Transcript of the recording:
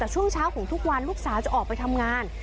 แต่ช่วงเช้าของทุกวันลูกสาวจะออกไปทำงาน